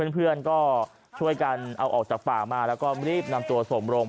เพื่อนก็ช่วยกันเอาออกจากป่ามาแล้วก็รีบนำตัวส่งโรง